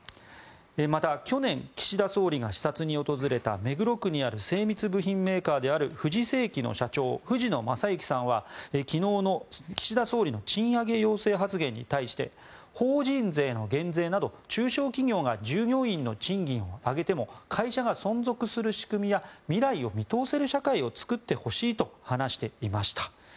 また、去年、岸田総理が視察に訪れた目黒区にある精密部品メーカーである富士精器の社長藤野雅之さんは昨日の岸田総理の賃上げ要請発言に対して法人税の減税など中小企業が従業員の賃金を上げても会社が存続する仕組みや未来を見通せる社会を作ってほしいと話していました。